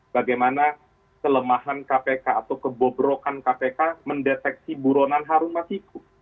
bagaimana kelemahan kpk atau kebobrokan kpk mendeteksi buronan harun masiku